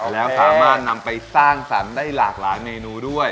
แล้วสามารถนำไปสร้างสรรค์ได้หลากหลายเมนูด้วย